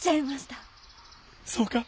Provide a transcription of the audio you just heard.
そうか。